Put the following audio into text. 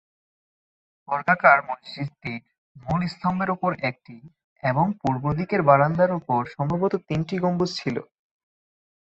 বর্গাকার মসজিদটির মূল স্তম্ভের ওপর একটি এবং পূর্ব দিকের বারান্দার ওপর সম্ভবত তিনটি গম্বুজ ছিল।